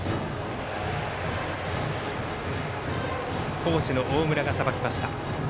好守の大村がさばきました。